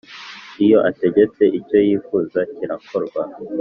Iyo ategetse, icyo yifuza kirakorwa,